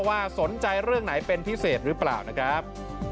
ว่าสนใจเรื่องไหนเป็นพิเศษหรือเปล่านะครับ